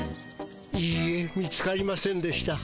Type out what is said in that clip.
いいえ見つかりませんでした。